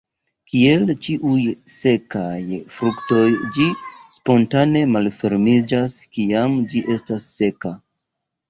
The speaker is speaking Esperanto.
Kiel ĉiuj sekaj fruktoj ĝi spontane malfermiĝas, kiam ĝi estas seka.